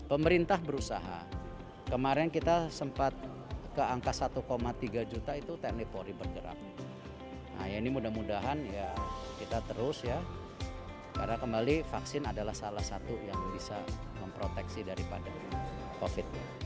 pemerintah berusaha kemarin kita sempat ke angka satu tiga juta itu teknik polri bergerak nah ini mudah mudahan ya kita terus ya karena kembali vaksin adalah salah satu yang bisa memproteksi daripada covid